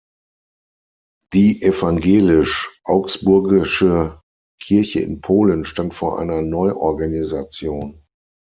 Die Evangelisch-Augsburgische Kirche in Polen stand vor einer Neuorganisation.